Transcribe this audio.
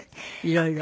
色々。